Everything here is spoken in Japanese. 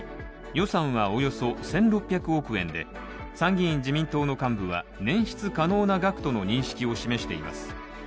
予算はおよそ１６００億円で、参議院自民党の幹部は捻出可能な額との認識を示しています。